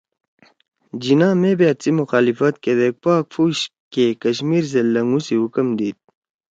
جناح مے بأت سی مخالفت کیدے پاک فوج کے کشمیر زید لھنگُو سی حکم دیِد